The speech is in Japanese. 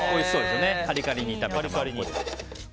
カリカリに炒めます。